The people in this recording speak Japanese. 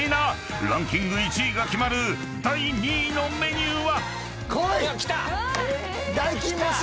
［ランキング１位が決まる第２位のメニューは⁉］